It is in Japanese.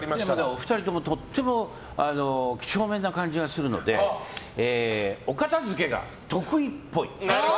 お二人とも、とっても几帳面な感じがするのでお片付けが得意っぽい。